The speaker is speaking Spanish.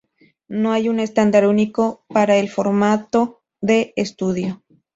No hay un estándar único para el formato de estudio.